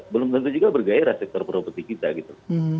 belum tentu juga bergairah sektor properti kita gitu